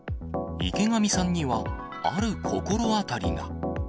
池上さんには、ある心当たりが。